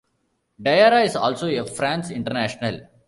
Diarra is also a France international.